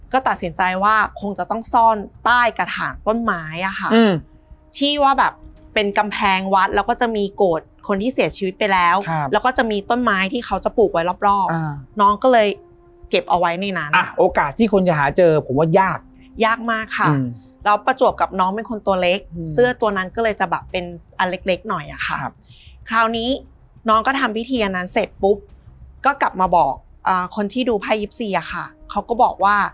ก็ตัดสินใจว่าคงจะต้องซ่อนใต้กระถางต้นไม้อ่ะค่ะอืมที่ว่าแบบเป็นกำแพงวัดแล้วก็จะมีโกรธคนที่เสียชีวิตไปแล้วครับแล้วก็จะมีต้นไม้ที่เขาจะปลูกไว้รอบรอบอ่ะน้องก็เลยเก็บเอาไว้ในนั้นอ่ะโอกาสที่คนจะหาเจอผมว่ายากยากมากค่ะอืมแล้วประจวบกับน้องเป็นคนตัวเล็กอืมเสื้อตัวนั้นก็เลยจะแบบเป็